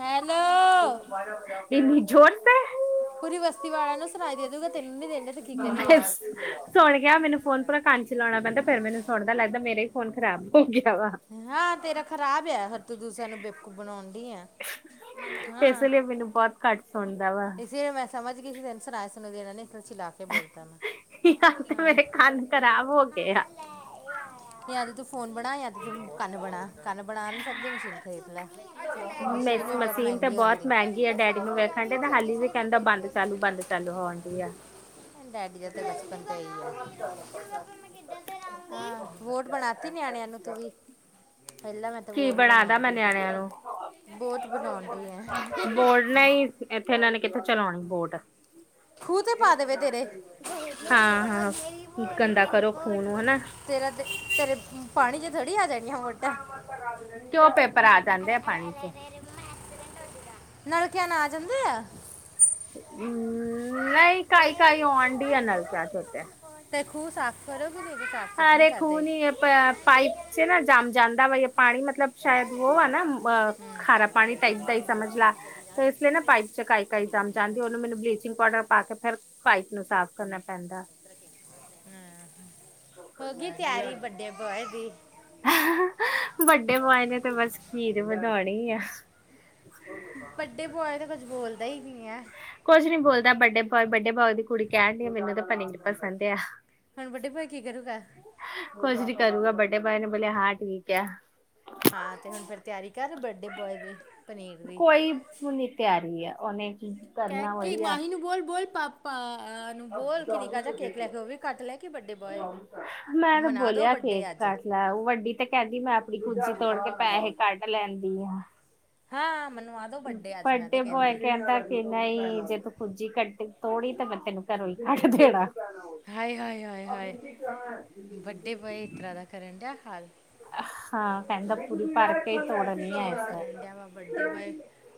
Hello ਓ ਓ ਹੋਰ ਇਹ ਵੀਜੋੋਰ ਤੇ ਐ ਪੂਰੀ ਈ ਵਸਤੀ ਵਾਲਿਆਂ ਨੂੰ ਸੁਣਾਈ ਦੇ ਦੂਗਾ ਤੈਨੂੰ ਨੀ ਦੇਣ ਦਿਆ ਤੇ ਕੀ ਕਰੀਏ ਮੈਂ ਸੁਣ ਗਿਆ ਮੈਨੂੰ ਫੋਨ ਪੂਰਾ ਕੰਨ ਚ ਲਾਉਣਾ ਪੈਂਦਾ ਐ ਫੇਰ ਮੈਨੂੰ ਸੁਣਦਾ ਐ ਲੱਗਦਾ ਮੇਰਾ ਈ ਫੋਨ ਖਰਾਬ ਹੋ ਗਿਆ ਵਾ ਹਾਂ ਆ ਤੇਰਾ ਖਰਾਬ ਆ ਹਰ ਤੂੰ ਦੂਸਿਆਂ ਨੂੰ ਬੇਕੂਫ ਬਣਾਣ ਡੀ ਆ ਹਾਂ ਇਸੇ ਲਈ ਮੈਨੂੰ ਬਹੁਤ ਘੱਟ ਸੁਣਦਾ ਆ ਇਸੇ ਲਈ ਮੈਂ ਸਮਝ ਗੀ ਫੇਰ ਸੁਣਾਇਆ ਸੁਨੂੰ ਈ ਦੇਣਾ ਨੇ ਫੇਰ ਚਲਾ ਕੇ ਬੋਲਤਾ ਮੈਂ ਹੀ ਹਾ ਤੇ ਮੇਰੇ ਕੰਨ ਖ਼ਰਾਬ ਹੋ ਗਏ ਆ ਜਾਂ ਤੇ ਤੂੰ ਫੋਨ ਬਣਾ ਜਾਂ ਫਿਰ ਤੂੰ ਕੰਨ ਬਣਾ ਕੰਨ ਬਣਾ ਨ ਈ ਸਕਦੀ ਮਸ਼ੀਨ ਦੇਖ ਲੈ ਐ ਅੱਛਾ ਲੈ ਕੇ ਜਾਣਾ ਆ ਮਸ਼ੀਨ ਮਿਸ ਵੀ ਬਹੁਤ ਤੇ ਮਹਿੰਗੀ ਹੁੰਦੀ ਬਹੁਤ ਈ ਪਰ ਇਸ ਮਹਿੰਗੀ ਆ ਨਾਲ ਡੈਡੀ ਸਾਫ ਨੂੰ ਹੋ ਵੇਖਣ ਜਾਣੀ ਡੇ ਈ ਹਾਲੀ ਵੀ ਕਹਿੰਦਾ ਬੰਦ ਚਾਲੂ ਬੰਦ ਚਾਲੂ ਹੋਣ ਡੀ ਆ ਡੈਡੀ ਦਾ ਤੇ ਬਚਪਨ ਤੇ ਈ ਆ ਮੈਂ ਰੂੜ ਜੂਗਾ ਆ ਫੇਰ ਮੈਂ ਕਿੱਦਾਂ ਆ ਫੇਰ ਆਉਗੀ ਈ ਆ ਵੋਟ ਬਣਾ ਤੀ ਨਿਆਣਿਆਂ ਨੂੰ ਤੂੰ ਵੀ ਪਹਿਲਾਂ ਮੈਂ ਤੇ ਕੀ ਵੋਟ ਬਣਾਦਾ ਬਣਾਉਣ ਮੈਂ ਦੀ ਨਿਆਣਿਆਂ ਨੂੰ ਈ ਬੋਤ ਬਣਾਉਣ ਡੀ ਆ ਨਹੀਂ ਈ ਇੱਥੇ ਇਹਨਾਂ ਨੇ ਕਿੱਥੋਂ ਚਲਾਉਣੀ ਬੋਟ ਆ ਖੂਹ ਤੇ ਪਾ ਦੇਵੇ ਤੇਰੇ ਏ ਮੇਰੀ ਬੋਟ ਹਾਂ ਹਾਂ ਆਮੇਰੀ ਬੋਟ ਆ ਗੰਦਾ ਮੇਰੀ ਕਰੋ ਬੋਟ ਖੂਹ ਨੂੰ ਆ ਹਨਾ ਤੇਰਾ ਆ ਤੇ ਤੇਰੇ ਪਾਣੀ ਚ ਥੋੜ੍ਹੀ ਆ ਜਾਣੀਆਂ ਵੋਟਾਂ ਆ ਕਿਓ ਪੇਪਰ ਆ ਜਾਂਦੇ ਆ ਪਾਣੀ ਚ ਅਰੇ ਅਰੇ ਨਲਕਿਆਂ ਨਾ ਆ ਜਾਂਦੇ ਆ ਹੂ ਹੂੰ ਨਹੀਂ ਦੇ ਟਾਈ ਟਾਈ ਹੋਣ ਡੀ ਆ ਆਵੇਂ ਨਲਕਿਆ ਕਮਰੀ ਦੇ ਨੂੰ ਉਤੇ ਏ ਕੀ ਤੇ ਖੂਹ ਸਾਫ਼ ਕਰੋਗੇ ਨਹੀਂ ਤੇ ਸਾਫ਼ ਸੁਫ਼ ਨਹੀਂ ਕਰਦੇ ਏ ਪਿਅ ਪਾਈਪ ਚ ਨਾ ਜਮ ਜਾਂਦਾ ਵੇ ਪਾਣੀ ਈ ਮਤਲਬ ਸ਼ਾਇਦ ਉਹ ਆ ਨਾ ਮੇਰੇ ਬੋਰਡ ਤੇ ਮੋਰ ਖਾਰਾ ਪਾਣੀ ਟਾਈਪ ਦਾ ਹੀ ਸਮਝ ਲਾ ਤੇ ਇਸ ਲਈ ਨਾ ਪਾਈਪ ਚਕਾਾਈ ਕਈ ਚਮ ਚਾ ਆਉਂਦੀ ਉਹਨੂੰ ਮੈਨੂੰ ਬਲੀਚਿੰਗ ਪਾਊਡਰ ਪਾ ਕੇ ਫੇਰ ਪਾਈਪ ਨੂੰ ਸਾਫ਼ ਕਰਨਾ ਪੈਂਦਾ ਹ, ਹੋ ਗੀ ਤਿਆਰੀ ਬੱਡੇ ਬੋਏ ਦੀ? ਬੱਡੇ ਬੋਆਇ ਨੇ ਤੇ ਬਸ ਖੀਰ ਬਣਾਣੀ ਐ। ਬੱਡੇ ਬੋਆਏ ਤੇ ਕੁਝ ਬੋਲਦਾ ਹੀ ਨੀ ਐ। ਕੁਝ ਨੀ ਬੋਲਦਾ ਬੱਡੇ ਬੋਆਏ, ਬੱਡੇ ਬੋਆਏ ਦੀ ਕੁੜੀ ਕਹਿਣ ਡੀ ਆ ਮੈਨੂੰ ਤਾਂ ਪਨੀਰ ਪਸੰਦ ਏ ਆ। ਹੁਣ ਬੱਡੇ ਬੋਆਏ ਕੀ ਕਰੂਗਾ? ਕੁਛ ਨੀ ਕਰਨਾ ਬੱਡੇ ਬੋਆਏ ਨੇ ਬੋਲਿਆ ਹਾਂ ਠੀਕ ਐ। ਹਾਂ ਤੇ ਹੁਣ ਫੇਰ ਤਿਆਰੀ ਕਰ ਬੱਡੇ ਬੋਆਏ ਦੇ, ਪਨੀਰ ਦੀ। ਕੋਈ ਫੂਲ ਤਿਆਰੀ ਐ ਉਹਨੇ ਕੀ ਕੈ ਕਰਨਾ ਕੀ ਵਹੀ ਆ ਮਾਹੀ ਨੂੰ ਬੋਲ-ਬੋਲ ਪਾਪਾ ਨੂੰ ਬੋਲ ਕਿ ਨਿੱਕਾ ਜਿਹਾ ਕੇਕ ਲੈ ਕੇ ਆਓ ਗੀ ਕੱਟ ਲੈ ਕੇਕ ਬੱਡੇ ਬੋਆਏ, ਮੈਂ ਤਾਂ ਮਨਾਦੋ ਬੋਲਿਆ ਕੇਕ ਬੱਡੇ ਅੱਜ ਕੱਟ ਲੈ ਉਹ ਵੱਡੀ ਤੇ ਕਹਿੰਦੀ ਮੈਂ ਆਪਣੀ ਕੁੱਜੀ ਤੋੜ ਕੇ ਪੈਸੇ ਕੱਢ ਲੈਂਦੀ ਆ। ਹਾਂ ਮੈਨੂੰ ਆ ਬੱਡੇ ਬੋਆਏ ਕੈਦਾ ਕਿ ਨਈ ਜੇ ਤੂੰ ਕੁੱਜੀ ਕਡੀ ਤੋੜੀ ਤੇ ਮੈਂ ਤੈਨੂੰ ਘਰੋਂ ਈ ਕੱਢ ਦੇਣਾ। ਹਾਏ-ਹਾਏ, ਹਾਏ -ਹਾਏ, ਬੱਡੇ ਬੋਆਏ ਇਤਰਾਂ ਦਾ ਕਰਨ ਡਿਆ ਹਾਲ ਹਾਂ ਕਹਿੰਦਾ ਪੂਰੀ ਭਰ ਕੇ ਤੋੜਨੀ ਐ। ਕਿਉਂ ਇਸ ਵਾਰ ਕਰਨ ਡਿਆ ਵਾ ਵੱਡੇ ਬੋਏ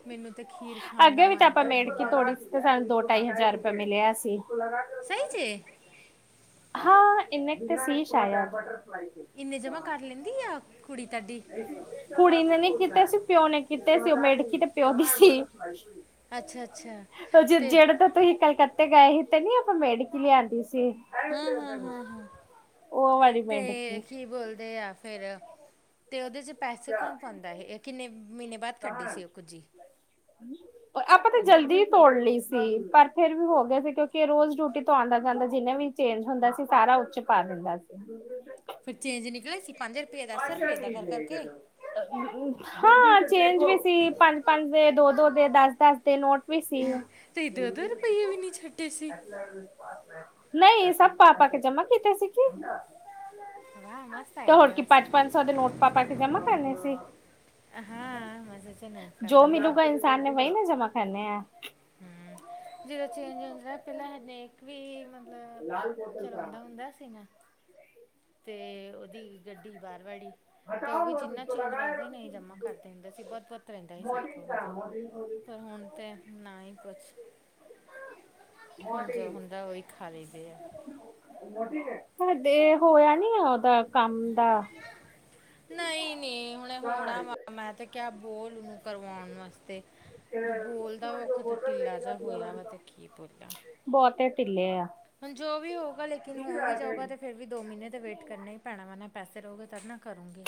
ਮੈਨੂੰ ਤੇ ਖੀਰ ਖਾਣ ਦਾ ਮਨ ਕਰਨ ਡਿਆ ਵਾ ਬਸ ਤੇ ਸਾਨੂੰ ਦੋ-ਢਾਈ ਹਜ਼ਾਰ ਰੁਪਿਆ ਮਿਲਿਆ ਸੀ। ਸੱਚ ਏ। ਹਾਂ ਇਨੇ ਕ ਤੇ ਸੀ ਸ਼ਾਇਦ। ਇੰਨੇ ਜਮਾ ਕਰ ਲੈਂਦੀ ਆ ਕੁੜੀ ਤਾਡੀ? ਕੁੜੀ ਨੇ ਨੀ ਕੀਤੇ ਸੀ ਪਿਓ ਨੇ ਕੀਤੇ ਸੀ। ਉਹ ਮੇਡਕੀ ਤੇ ਪਿਓ ਦੀ ਸੀ। ਅੱਛਾ ਅੱਛਾ ਉਹ ਜ ਤੇ ਜਿਹੜੇ ਤੋ ਤੁਸੀਂ ਕਲਕੱਤੇ ਗਏ ਸੀ ਤੇ ਨੀ ਆਪਾਂ ਮੇਡਕੀ ਲਿਆਂਦੀ ਸੀ। ਹਾ-ਹਾਂ, ਹਾਂ- ਹਾਂ, ਉਹ ਵਾਲੀ ਤੇ ਮੇਢਕੀ ਕੀ ਬੋਲਦੇ ਆ ਫੇਰ ਤੇ ਉਹਦੇ ਚ ਪੈਸੇ ਕੌਣ ਪਾਉਂਦਾ ਏ, ਏਹ ਕਿੰਨੇ ਮਹੀਨੇ ਬਾਅਦ ਕੱਢੀ ਸੀ ਉਹ ਕੁੱਜੀ। [inaudible] ਆਪਾਂ ਤਾਂ ਜਲਦੀ ਤੋੜ ਲਈ ਸੀ ਪਰ ਫੇਰ ਵੀ ਹੋ ਗਏ ਸੀ ਕਿਉਂਕਿ ਰੋਜ਼ ਡਿਊਟੀ ਤੋਂ ਆਦਾ- ਜਾਂਦਾ ਜਿੰਨੇ ਵੀ ਚੇਂਜ ਹੁੰਦਾ ਸੀ, ਸਾਰਾ ਓਚ ਪਾ ਦਿੰਦਾ ਸੀ। ਫਿਰ ਚੇਂਜ ਨਿਕਲ ਆਏ ਸੀ ਪੰਜ ਰੁਪਏ-ਦਸ ਰੁਪਏ ਐਦਾ ਕਰ ਕਰਕੇ ਹਾਂ ਚੇਂਜ ਵੀ ਸੀ ਪੰਜ-ਪੰਜ ਦੇ ਦੋ-ਦੋ ਦੇ ਦਸ-ਦਸ ਦੇ ਨੋਟ ਵੀ ਸੀ। ਹੈ ਤੁਸੀਂ ਦੋ-ਦੋ ਰੁਪਈਏ ਵੀ ਨੀ ਛੱਡੇ ਸੀ। ਨਈ ਸਭ ਪਾ-ਪਾ ਕੇ ਜਮਾ ਕਿਤੇ ਸੀ ਕੀ ਵਾਹ ਮਸਤ ਤੇ ਹੋਰ ਆਈਡੀਆ ਕੀ ਬਸ ਪੰਜ-ਪੰਜ ਸੌ ਦੇ ਨੋਟ ਪਾ ਕ ਪਾ ਕੇ ਜਮਾ ਕਰਨੇ ਸੀ, ਹਾਂ ਚ ਨੇ ਪਾਪਾ ਜੋ ਕੇ ਤਾਂ ਮਿਲੂਗਾ ਇਨਸਾਨ ਨੇ ਵਹੀ ਨਾ ਜਮ੍ਹਾ ਕਰਨੇ ਐ। ਹੂੰ, ਜਦੋਂ ਚੇਂਜ ਹੁੰਦਾ ਪਹਿਲਾਂ ਹਰੇਕ ਵੀ ਮ ਮਤਲਬ ਚਲਾਉਂਦਾ ਹੁੰਦਾ ਸੀ ਮੈ ਤੇ ਉਹਦੀ ਗੱਡੀ ਬਾਰ ਵਾੜੀ ਤੇ ਉਹ ਵੀ ਜਿੰਨਾ ਚੇਂਜ ਵਗਦਾ ਸੀ ਨਾ ਏਹੀ ਜਮ੍ਹਾਂ ਕਰਦੇ ਹੁੰਦੇ ਸੀ ਬੋਤ-ਬੌਤ ਰਹਿੰਦਾ ਸੀ ਸਾਡੇ ਕੋਲ ਵੀ ਓਦੋਂ ਪਰ ਹੁਣ ਤੇ ਨਾ ਹੀ ਪੁੱਛ ਹੁਣ ਜੋ ਹੁੰਦਾ ਉਹੀ ਖਾ ਲਈਦੇ ਆ [inaudible] ਤੁਹਾਡੇ ਹੋਇਆ ਨੀ, ਉਹਦਾ ਕੰਮ ਦਾ? ਨਈ-ਨਈ, ਹੁਣੇ ਹੋਣਾ ਵਾ ਮੈਂ ਤੇ ਕਿਹਾ ਬੋਲ ਉਹਨੂੰ ਕਰਵਾਉਣ ਵਾਸਤੇ। ਬ-ਬੋਲਦਾ ਦਾ [unintelligible] ਤਾਂ ਢਿੱਲਾ ਜਾ ਹੋਇਆ ਵਾ ਤੇ ਕੀ ਬੋਲਾ। ਬਹੁਤੇ ਢਿੱਲੇ ਆ। ਹੁਣ ਜੋ ਵੀ ਹੋਊਗਾ, ਲੇਕਿਨ ਹੋ ਵੀ ਜਾਊਗਾ ਤੇ ਫੇਰ ਵੀ ਦੋ ਮਹੀਨੇ ਤੇ ਵੇਟ ਕਰਨੇ ਹੀ ਪੈਣਾ ਵਾ ਨਾ, ਪੈਸੇ ਰੋਗੇ ਤਦ ਨਾ ਕਰੁਗੀ।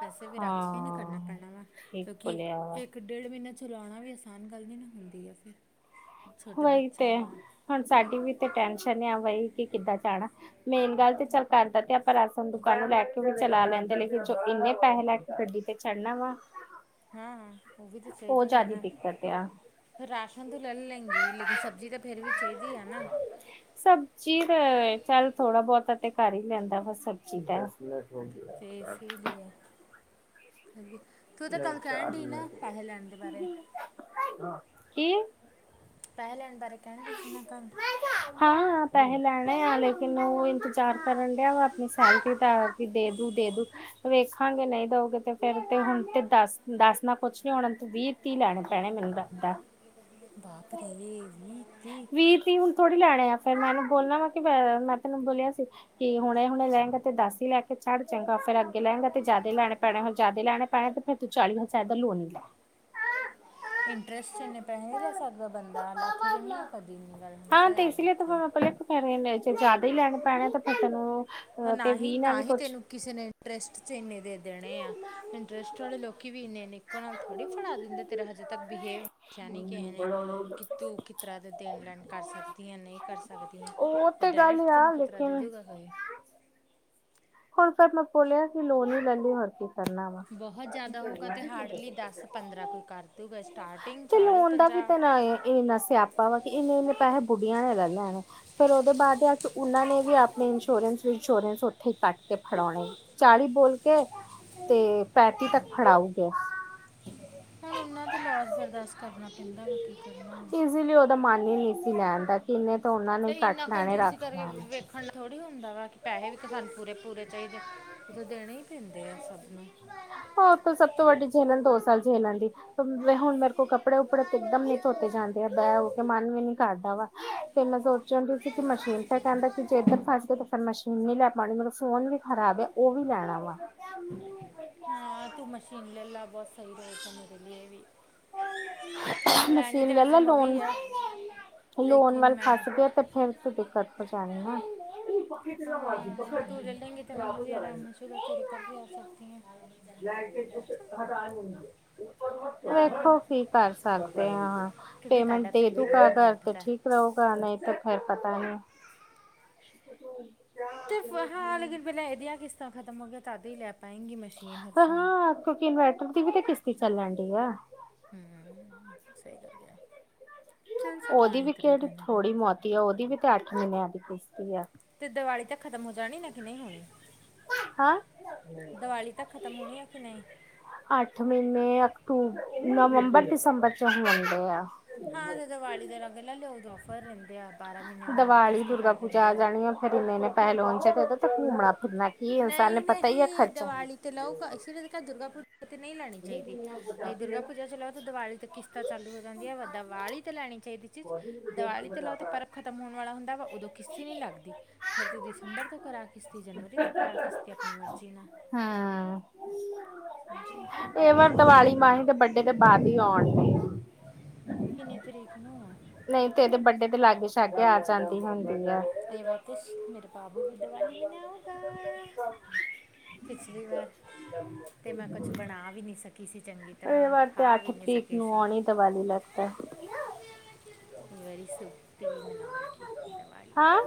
ਵੈਸੇ ਵੀ ਰਕਸ਼ੇ ਨੇ ਕਰਨਾ ਹਾਂ ਪੈਣਾ ਵਾ, ਠੀਕ ਕਿਉਂਕਿ ਬੋਲਿਆ ਇੱਕ ਵਾ ਇੱਕ-ਡੇਢ ਮਹੀਨਾ ਚਲਾਉਣਾ ਵੀ, ਅਸਾਨ ਗੱਲ ਨੀ ਨਾ ਹੁੰਦੀ ਐ ਫਿਰ ਛੋਟਾ ਔਹੀ ਤੇ, ਬੱਚਾ ਵਾ ਹੁਣ ਸਾਡੀ ਵੀ ਤੇ ਟੈਨਸ਼ਨ ਏ ਆ ਬਈ ਕਿ ਕਿੱਦਾਂ ਜਾਣਾ ਮੇਨ ਗੱਲ ਤੇ ਚੱਲ ਪੈਂਦਾ ਤੇ ਅ ਪਰ ਅਸਲ ਦੁਕਾਨ ਨੂੰ ਲੈ ਕੇ ਵੀ ਚਲਾ ਲੈਂਦੇ, ਲੇਕਿਨ ਜੋ ਇੰਨੇ ਪੈਸੇ ਲੈ ਕੇ ਗੱਡੀ ਤੇ ਚੜ੍ਹਨਾ ਵਾ। ਹਾਂ, ਹਾਂ ਉਹ ਵੀ ਤੇ ਉਹ ਚਾਹੀਦੇ ਹੀ ਐ ਜ਼ਿਆਦਾ ਨਾ। ਦਿੱਕਤ ਆ ਰਾਸ਼ਨ ਤੋਂ ਲੈ ਲੈਂਗੀ, ਲੇਕਿਨ ਸਬਜ਼ੀ ਤੇ ਫੇਰ ਵੀ ਚਾਹੀਦੀ ਹੈ ਨਾ। ਸਬਜ਼ੀ ਤਾਂ ਚੱਲ ਥੋੜਾ ਬਹੁਤਾ ਤੇ ਕਰ ਹੀ ਲੈਂਦਾ ਵਾ ਸਬਜ਼ੀ ਦਾ। ਹੋ [unintelligible] ਠੀਕ ਹੈ। ਹਾਂ ਤੂੰ ਤਾਂ ਕੱਲ ਕਹਿਣ ਡਈ ਨਾ, ਪੈਸੇ ਲੈਣ ਦੇ ਬਾਰੇ। ਕੀ ਪੈਸੇ ਲੈਣ ਬਾਰੇ ਕਹਿਣ ਡਈ ਸੀ ਨਾ ਕੱਲ। ਹਾਂ ਪੈਸੇ ਲੈਣੇ ਆ, ਲੇਕਿਨ ਉਹ ਇੰਤਜ਼ਾਰ ਕਰਨ ਡਿਆ ਵਾ ਆਪਣੀ ਸੈਲਰੀ ਦਾ। ਵੀ ਦੇ ਦੂ, ਦੇ ਦੂ। ਵੇਖਾਂਗੇ ਨਹੀਂ ਦਓਗੇ ਤੇ ਫੇਰ ਤੇ ਹੁਣ ਤੇ, ਦਸ ਦਸ ਨਾ ਕੁਛ ਨੀ ਹੋਣਾ ਵੀਹ ਤੀਹ ਲੈਣੇ ਪੈਣੇ ਮੈਨੂੰ ਲਗਦਾ ਬਾਂਪ ਰੇ ਵੀਹ, ਤੀਹ। ਤੀਹ ਤੀਹ ਹੁਣ ਥੋੜ੍ਹੀ ਲੈਣੇ ਐ, ਫਿਰ ਮੈਨੂੰ ਬੋਲਣਾ ਵਾ ਕਿ ਮੈਂ ਤੈਨੂੰ ਬੋਲਿਆ ਸੀ, ਕਿ ਹੁਣੇ ਹੁਣੇ ਲੇਏਗਾ, ਤੇ ਦਸ ਹੀ ਲੈ ਕੇ ਚੜ੍ਹ, ਚੰਗਾ ਫੇਰ ਅੱਗੇ ਲਹੇਗਾ ਤੇ ਜਿਆਦਾ ਲੈਣੇ ਪੈਣੇ ਹੁਣ ਜਿਆਦਾ ਲੈਣੇ ਪੈਣੇ ਤੇ ਫਿਰ, ਤੂੰ ਚਾਲੀ ਹਜ਼ਾਰ ਦਾ ਲੋਨ ਲੈ ਲਾ। ਇੰਟਰਸਟ ਚ ਏਨੇ ਪੈਹੈ ਨਹੀਂ ਲੈ ਸਕਦਾ ਬੰਦਾ, ਲੱਥਦੇ ਨਹੀਂ ਆ ਕਦੀ ਵੀ, ਇਨੀ ਗੱਲ ਹਮੇਸ਼ਾ ਯਾਦ ਰੱਖਿਓ। ਫਿਰ ਏਨੇ ਚ ਜਿਆਦਾ ਹੀ ਲੈਣੇ ਪੈਣਾ, ਤੇ ਪਤਾ ਤੈਨੂੰ। ਹ ਤੇ ਨਾਹੀਂ, ਵੀਹ ਨਾਲ ਨਾ ਵੀ ਹੀ ਕੁਛ ਤੈਨੂੰ, ਕਿਸੇ ਨੇ ਇੰਟਰਸਟ 'ਚ ਇੰਨੇ ਦੇ ਦੇਣੇ ਆ, ਇੰਟਰਸਟ ਵਾਲੇ ਲੋਕ ਵੀ ਇੰਨੇ, ਇੰਨੇ ਨਾਲ ਥੋੜ੍ਹੀ ਫੜਾ ਦਿੰਦੇ ਤੇਰਾ ਹਜੇ ਤੱਕ ਬਿਹੇਵ, ਪੁੱਛਿਆ ਨੀ ਕਿਸੇ ਨੇ। ਕਿ ਤੂੰ ਕਿਤਰ੍ਹਾਂ ਦੇ ਦੇਣ ਲੈਣ ਕਰ ਸਕਦੀ ਐ, ਨਹੀਂ ਕਰ ਸਕਦੀ ਐ। ਉਹ ਤੇ ਗੱਲ ਡਾਇਰੈਕਟ ਆ ਤੈਨੂੰ ਕਿਤਰਾ ਦੇ ਲੇਕਿਨ ਦੂਗਾ ਕੋਈ ਹੁਣ ਫਿਰ ਮੈਂ ਬੋਲਿਆ ਕਿ ਲੋਨ ਹੀ ਲੈਂਨੀ, ਹੋਰ ਕੀ। ਕਰਨਾ ਵਾ। ਬਹੁਤ ਜ਼ਿਆਦਾ ਹੋਊਗਾ, ਤੇ ਹਾਰਡਲੀ ਦਸ ਪੰਦਰਾਂ ਕੋਈ ਕਰ ਦੂਗਾ ਸਟਾਰਟਿੰਗ, ਤੇ ਲੋਨ ਦਾ ਵੀ ਤਾਂ ਇੰਨਾ ਸਿਆਪਾ ਵਾ, ਕਿ ਇੰਨੇ- ਇੰਨੇ ਪੈਹੈ ਬੁੱਢੀਆਂ ਨੇ ਲੈ ਲੈਣੇ। ਫੇਰ ਉਹਦੇ ਬਾਅਦ ਆ ਉਹਨਾਂ ਨੇ ਵੀ ਆਪਣੇ ਇੰਸ਼ੋਰੈਂਸ ਇੰਸ਼ੋਰੈਂਸ ਉੱਥੇ ਕੱਟ ਤੇ ਫੜਾਉਂਨੇ, ਚਾਲੀ ਬੋਲ ਕੇ ਤੇ ਪੈਂਤੀ ਤੱਕ ਫੜਾਉਗੇ। ਹੁਣ ਉਹਨਾਂ ਦਾ ਲੋਸ ਬਰਦਾਸ਼ਤ ਕਰਨਾ ਪੈਂਦਾ ਵਾ, ਕੀ ਕਰੀਏ ਹੁਣ। ਈਸੀ ਲੀ ਉਹਦਾ ਮਨ ਹੀ ਨਹੀਂ ਸੀ ਲੈਣ ਦਾ, ਕਿ ਇੰਨੇ ਤਾਂ ਉਹਨਾ ਨੇ ਘੱਟ ਲੈਣੇ ਰੱਖ ਲੈਣ। ਰੱਖਣ ਥੋੜ੍ਹੀ ਹੁੰਦਾ ਵੈ, ਕਿ ਪੈਸੇ ਵੀ ਤਾਂ ਸਾਨੂੰ ਪੂਰੇ- ਪੂਰੇ ਚਾਹੀਦੇ ਉੋਂ ਦੇਣੇ ਹੀ ਪੈਂਦੇ ਆ ਸਭ ਨੂੰ। ਹ ਉਥੋਂ ਸਭ ਤੋਂ ਵੱਡੀ ਝੇਲਣ, ਦੋ ਸਾਲ ਝੇਲਣ ਦੀ ਹੁਣ ਮੇਰੇ ਕੋਲ ਕੱਪੜੇ ਕੁੱਪੜੇ ਤੇ ਇੱਕਦਮ ਨੀ ਧੋਤੇ ਜਾਂਦੇ ਐ, ਬੈਹ ਉੱਠ ਮਨ ਵੀ ਨੀ ਕਰਦਾ ਵਾ, ਤੇ ਮੈਂ ਸੋਚ ਹੁੰਦੀ ਸੀ, ਕਿ ਮਸ਼ੀਨ ਫ ਕਹਿੰਦਾ ਕਿ ਜੇ ਇੱਧਰ ਫਸ ਗਏ ਤਾਂ ਫਿਰ ਮਸ਼ੀ ਹੁਣ ਨਹੀਂ ਲੈ ਪਾਨੀ, ਮੇਰਾ ਫੋਨ ਵੀ ਖਰਾਬ ਐ ਉਹ ਵੀ ਲੈਣਾ ਵਾ। ਹਾਂ ਤੂੰ ਮਸ਼ੀਨ ਲੈ ਲਾ, ਬਹੁਤ ਸਹੀ ਰਹੂਗਾ ਮੇਰੇ ਲਇਏ ਵੀ। ਮਸ਼ੀਨ ਲੈ ਲੈਂ ਲੋਨ, ਲੋਂਨ ਵਾਲ ਫਸ ਗਏ ਤੇ ਫੇਰ ਦਿੱਕਤ ਹੋ ਜਾਨੀ ਐ ਨਾ। [unintelligible] ਤੂੰ ਲੇ ਲੇਂਗੀ ਤੇ ਮੈਨੂੰ ਵੀ ਆਰਾਮ ਹੋਜੂਗਾ, ਤੇਰੇ ਘਰ ਵੀ ਆ ਸਕਦੀ ਆਂ। [unintelligible] ਵੇਖੋ ਕੀ ਕਰ ਸਕਦੇ ਆਂ, ਹਾਂ ਪੇਮੈਂਟ ਦੇ ਦੂਗਾ ਅਗਰ ਤਾਂ ਠੀਕ ਰਊ। ਪਤਾ ਨਈਂ ਤਾਂ ਫੇਰ ਪਤਾ ਨੀ। ਇਸਕੋ ਤੋ ਤੇ ਫੇਰ ਹਾਂ ਲੇਕਿਨ ਪੈਲਾਂ ਏਦੀਆਂ ਕਿਸਤਾਂ ਖਤਮ ਹੋ ਗਈਆਂ ਤਦ ਈ ਲੈ ਫੇਰ ਨਾ ਕਿਓਂਕਿ ਇਨਵੈਰਟਰ ਦੀ ਵੀ ਤਾਂ ਕਿਸ਼ਤ ਈ ਚੱਲਨ ਡਈ ਐ। ਹੂੰ, ਸਈ ਗੱਲ ਏ ਆ। ਓਦੀ ਵੀ ਕੇੜੀ ਥੋੜੀ ਬੋਤੀ ਆ, ਓਦੀ ਵੀ ਤੇ ਅੱਠ ਮੀਨਿਆਂ ਦੀ ਕਿਸ਼ਤ ਈ ਆ। ਤੇ ਦਵਾਲੀ ਤੱਕ ਖਤਮ ਹੋ ਜਾਨੀ ਨਾ ਕੇ ਨਈਂ ਹੋਨੀ, ਹਾਂ ਦਵਾਲੀ ਤਕ ਖਤਮ ਹੋਨੀ ਐ ਕੇ ਨਈਂ। ਅੱਠ ਮੀਨੇ ਅਕਤੂਬ, ਨਵੰਬਰ, ਦਿਸੰਬਰ ਚ ਹੁੰਦੇ ਆ। ਹਾਂ ਓਦੋਂ ਦਵਾਲੀ ਦੇ ਲਾਗੇ ਲੈ ਲਿਓ ਓਦੋਂ ਔਫਰ ਰੈਂਦੇ ਆ। ਬਾਰਾਂ ਮਹੀਨੇ ਉਹਨਾਂ ਦੀ ਦੀਵਾਲੀ ਕਿਸ਼ਤੀ ਦੁਰਗਾ ਕਰ ਪੂਜਾ ਆ ਦਿੰਦੇ ਜਾਨੀ ਆ ਫੇਰ ਇੰਨੇ ਇੰਨੇ ਪੈਸੇ ਲੋ ਤੇ ਘੁੰਮਨਾ ਫਿਰਨਾ ਕੀ ਇਨਸਾਨ ਨੇ ਨਈਂ ਪਤਾ ਹੀ ਆ ਨਹੀਂ ਖਰਚਾ ਦਵਾਲੀ ਤੇ ਲਊਗਾ ਇਸ ਲਈ ਦੁਰਗਾ ਪੂਜਾ ਤੇ ਨਈਂ ਲੈਨੀ ਚਾਈਦੀ ਚਾਏ ਦੁਰਗਾ ਪੂਜਾ ਤੇ ਲਓ ਤਾਂ ਦਵਾਲੀ ਤੇ ਕਿਸ਼ਤਾਂ ਚਾਲੂ ਹੋ ਜਾਂਦੀਆਂ ਪਰ ਦਵਾਲੀ ਤੇ ਲੈਨੀ ਚਾਈਦੀ ਦੀਵਾਲੀ ਤੇ ਲਓ ਤੇ ਪਰਬ ਖਤਮ ਹੋਨ ਵਾਲਾ ਹੁੰਦਾ ਵਾ ਓਦੋਂ ਕਿਸ਼ਤ ਈ ਨੀ ਲੱਗਦੀ, ਫੇਰ ਤੂੰ ਦਿਸੰਬਰ ਤੋਂ ਕਰਾ ਕਿਸ਼ਤ ਈ ਜਨਵਰੀ ਤੋਂ ਕਰਾ ਕਿਸ਼ਤ ਈ ਆਪਨੀ ਮਰਜ਼ੀ ਨਾਲ, ਹਾਂ ਅੱਛੇਆ। ਏ ਵਾਰ ਦਵਾਲੀ ਮਾਹੀ ਦੇ ਬਰਡੇ ਤੋਂ ਬਾਦ ਈ ਔਨ ਡਈ। ਕਿੰਨੀ ਤਰੀਕ ਨੂੰ ਐ ਨਈਂ ਤੇ ਏਦੇ ਬਰਡੇ ਤੇ ਲਾਗੇ ਸ਼ਾਗੇ ਆ ਜਾਂਦੀ ਹੁੰਦੀ ਏ। ਏ ਵਰਤਿਸ਼ ਮੇਰੇ ਬਾਬੂ ਵੀ ਦੀਵਾਲੀ ਮਨਾਉਗਾ। [inaudible] ਪਿਛਲੀ ਵਾਰ, ਤੇ ਮੈਂ ਕੁਛ ਬਨਾ ਵੀ ਨੀ ਸਕੀ ਸੀ ਚੰਗੀ ਤਰਾਂ ਖਾ ਵੀ ਨੀ ਸਕੇ ਸੀ। ਦਵਾਲੀ ਲੱਗਤਾ ਕਈ ਵਾਰੀ ਸੂਕੀ ਮਨਾਓਗੇ ਦਵਾਲੀ, ਹਾਂ।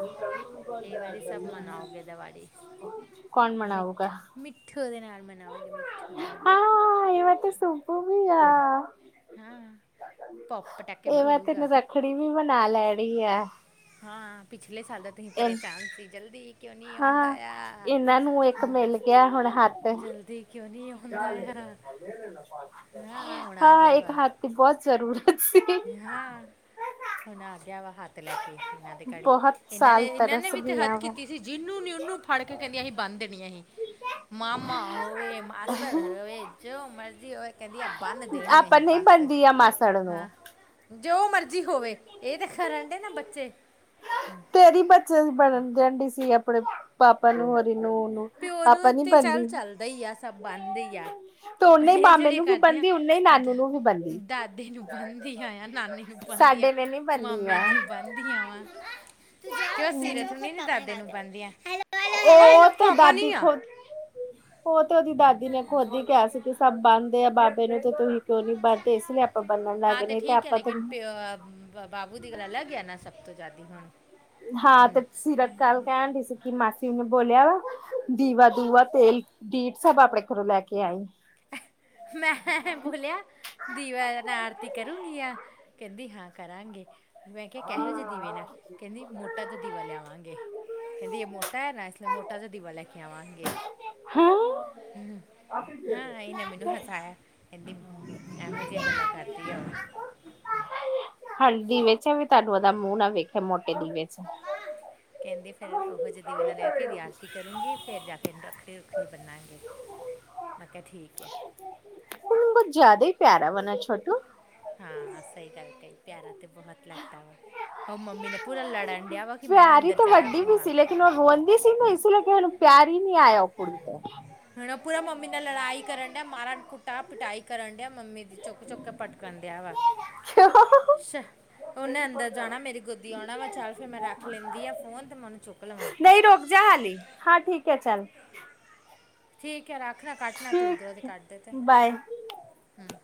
ਕਈ ਵਾਰੀ ਸਬ ਮਨਾਓਗੇ ਦਵਾਲੀ। [inaudible] ਮਨਾਊਗਾ ਮਿੱਠ ਮਿੱਠੋ ਦੇ ਨਾਲ ਮਨਾਓਗੇ ਮਿੱ ਹਾਂ ਏ ਵਾਰੀ ਤੇ ਸੂਬੂ ਵੀ ਆ। ਹਾਂ ਪੋਪ ਪਟਾਕੇ ਇਹ ਵਾਰ ਤੇ ਇਹਨੇ ਫੋੜੂਗਾ। ਰੱਖੜੀ ਵੀ ਬਨਾ ਲੈਨੀ ਐ। ਹਾਂ ਪਿਛਲੇ ਸਾਲ ਤਾ ਤੁਸੀਂ ਪਰੇਸ਼ਾਨ ਸੀ ਜਲਦੀ ਕਿਓਂ ਨੀ ਔਨ ਹਾਂ। ਦਾਇਆ, ਇਹਨਾਂ ਨੂੰ ਇੱਕ ਮਿਲ ਜਲਦੀ ਕਿਓਂ ਨੀ ਔ ਹਾਂ ਹੁਣ [unintelligible] ਆ ਹਾਂ ਇੱਕ ਹੱਥ ਤੇ ਬਹੁ ਜ਼ਰੂਰ ਨੇਹਾਂ ਹੁਨ ਆ ਗੇਆ ਵਾ ਹੱਥ ਲੈ ਕੇ ਏਨਾਂ ਦੇ ਘੜੀ, ਏਨਾਂ ਨੇ ਏਨਾਂ ਨੇ ਵੀ ਤੇ ਹੱਦ ਕੀਤੀ ਜੀ ਜਿਨੂੰ ਨੀ ਓਨੂੰ ਫੜ ਕੇ ਕੈਂਦੀ ਅਸੀਂ ਬੰਨ ਦੇਨੀ ਅਸੀਂ। ਮਾਮਾ ਹੋਵੇ ਮਾਸੜ ਹੋਏ ਜੋ ਮਰਜ਼ੀ ਹੋਏ ਕੈਂਦੀ ਆ ਬੰਨ ਦੇਨੀ ਅਸੀਂ ਬੱਸ ਹਾਂ ਜੋ ਮਰਜ਼ੀ ਹੋਵੇ ਏ ਤੇ ਖਰਾਂਡੇ ਨਾ ਬੱਚੇ ਤੇਰੀ ਬੱਚਿਆਂ ਦੀ ਬਨਨ ਜਾਂਦੀ ਸੀ ਆਪਨੇ ਪਾਪਾ ਨੂੰ ਹਰੀ ਨੂੰ ਨੂਰ ਨੂੰ। ਪਿਓ ਨੂੰ ਤੇ ਚੱਲ ਚੱਲਦਾ ਈ ਆ ਸਬ ਬੰਨਦੇ ਈ ਆ। ਏ ਜੇੜੀਆਂ ਨੂੰ ਵੀ ਕਰਦੀਆਂ ਬੰਦੀ ਉਨੇ ਹੀ ਨਾਨੂ ਦਾ ਨੂੰ ਵੀ ਬੰਦੀ ਦਾਦੇ ਨੂੰ ਬੰਨਦੀਆਂ ਆ ਨਾਨੀ ਨੂੰ ਪਾਉਂਦੀ ਆ, ਸਾਡੇ ਨੇ ਨੀ ਬੰਨੀ ਮਾਮੇ ਆ ਦੀ ਬ ਦੀਆਂ ਵਾਂ। ਸਿਰੇ ਥੇ ਨੀ ਨਾ ਦਾਦੇ ਨੂੰ ਬਣਦੀਆਂ। ਉਹ ਤੇ ਭਾਪਾ ਦਾਦੀ ਨੀ ਆ। ਖੁਦ ਉਹ ਤੇ ਉਹਦੀ ਦਾਦੀ ਨੇ ਖ਼ੁਦ ਈ ਕਿਹਾ ਸੀ ਕਿ ਸਭ ਬੰਨਦੇ ਆ। ਬਨ ਪਹਿਲਾਂ ਤੇ ਤੁਸੀਂ ਕਿਉਂ ਨੀ ਬੱਚਾ ਬੰਨਦੇ। ਅੰਦਰ ਇਸ ਲਈ ਆਪਾਂ ਬੰਨਣ ਲੱਗਨੇ। ਨਹੀਂ ਤੇ ਆਪਾਂ ਤੈ [inaudible] ਬਾਬੂ ਦੀ ਗੱਲ ਅਲੱਗ ਐ ਨਾ, ਸਭ ਤੋਂ ਜ਼ਿਆਦਾ ਹੂ। ਹਾਂ ਤੇ ਸੀਰਤ ਕੱਲ ਕਹਿਣ ਡਈ ਸੀ ਕਿ ਮਾਸੀ ਨੂੰ ਬੋਲਿਆ ਵਾ ਦੀਵਾ-ਦੂਵਾ, ਤੇਲ, ਡੀਟ ਸਭ ਆਪਣੇ ਘਰੋਂ ਲੈ ਕੇ ਆਈ। ਮੈਂ ਬੋਲਿਆ ਦੀਵਾ ਨਾ ਆਰਤੀ ਕਰੂੰਗੀ ਆ। ਕਹਿੰਦੀ ਹਾਂ ਕਰਾਂਗੇ। ਮੈਂ ਕਿਹਾ ਕਹਿਜੋ ਦੀਵੇ ਨਾ, ਕਹਿੰਦੀ ਮੋ ਮੋਟਾ ਜਿਹਾ ਦੀਵਾ ਲਿਆਵਾਂਗੇ। ਕਹਿੰਦੀ ਇਹ ਮੋਟਾ ਐ, ਇਸ ਲ‌ਈ ਮੋਟਾ ਜਿਹਾ ਦੀਵਾ ਲੈ ਕੇ ਆਵਾਂਗੇ, ਹਾਂ ਹੂੰ। ਹਾਂ, ਏਨ੍ਹਾਂ ਮੈਨੂੰ ਹਸਾਇਆ। ਕਹਿੰਦੀ ਮਮੀ ਕਿਹੋ-ਜਿਹੀਆਂ ਗੱਲਾਂ ਕਰਦੀ ਆ ਉਹ। ਹੁਣ ਦੀਵੇ 'ਚ ਵੀ ਤੁਹਾਨੂੰ ਉਹਦਾ ਮੂੰਹ ਨਾ ਵੇਖਿਆ, ਮੋਟੇ ਦੀਵੇ 'ਚ। ਕਹਿੰਦੀ ਫੇਰ ਉਹੋ ਜਿਹੇ ਦੀਵੇ ਨਾਲ ਲੈ ਕੇ ਇਹਦੀ ਆਰਤੀ ਕਰੂੰਗੀ। ਫੇਰ ਜਾ ਕੇ ਇਹਨੂੰ ਰੱਖ ਤੇ ਰੱਖਰੀ ਬੰਨਾਗੇ, ਮੈਂ ਕਿਹਾ ਠੀਕ ਆ। ਉਨਾਂ ਦਾ ਜ਼ਿਆਦਾ ਈ ਪਿਆਰਾ ਬਨਾ 'ਚ ਹਾਂ, ਸਹੀ ਗੱਲ ਕਹੀ ਪਿਆਰਾ ਤੇ ਬਹੁਤ ਲੱਗਦਾ ਵਾ। ਉਹ ਮੰਮੀ ਨਾ ਪੂਰਾ ਲੜਨ ਡਿਆ ਵਾ, ਕਿ ਮੈਂ ਅੰਦਰ ਜਾਣਾ ਆਪਣੀ ਮਾਂ ਕ ਜਿਲ੍ਹੇ ਉਹ ਰੋਂਦੀ ਸੀ ਨਾ, ਇਸ ਲਈ ਕਿਹੇ ਨੂੰ ਪਿਆਰ ਈ ਨੀ ਆਇਆ ਉਹ ਕੁੜੀ 'ਤੇ। ਹੁਣ ਉਹ ਪੂਰਾ ਮੰਮੀ ਨਾਲ ਲੜਾਈ ਕਰਨ ਡਿਆ। ਮਹਾਰਾ, ਕੁਟਾ, ਪਿਟਾਈ ਕਰਨ ਡਿਆ ਮੰਮੀ ਦੀ, ਚੁੱਕ-ਚੁੱਕ ਕੇ ਪਟਕ ਕਰਨ ਡਿਆ ਵਾ। [inaudible] ਛ ਉਹਨੇ ਅੰਦਰ ਜਾਣਾ, ਮੇਰੀ ਗੋਦੀ ਆਉਣਾ ਵਾ। ਚੱਲ ਫਿਰ, ਮੈਂ ਰੱਖ ਲੈਂਦੀ ਆ ਫ਼ੋਨ ਤੇ ਮੈਂ ਉਹਨੂੰ ਚੁੱਕ ਲਵਾਂ। ਨਹੀਂ ਰੁਕ ਜਾ ਹਾਲੀ। ਹਾਂ, ਠੀਕ ਐ ਚੱਲ। ਠੀਕ ਐ ਰੱਖ ਨਾ, ਕੱਟ ਨਾ ਤੂੰ। ਉਧਰੋਂ ਦੀ ਠੀਕ ਕੱਟ ਦੇ ਤੇ ਬਾਏ ਹੂੰ